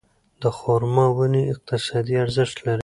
د خورما ونې اقتصادي ارزښت لري.